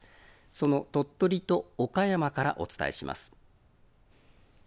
その鳥取と岡山からお伝えします。